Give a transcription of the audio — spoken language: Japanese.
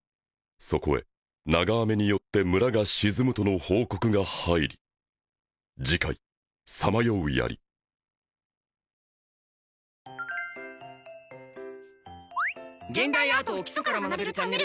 そこへ長雨によって村が沈むとの報告が入り「現代アートを基礎から学べるチャンネル」